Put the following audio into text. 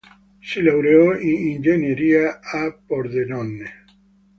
Si laureò in ingegneria a Pordenone.